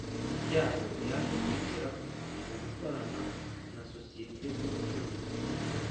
byabo yaje kwinjira mu gukorana na sosiyete z’ubucuruzi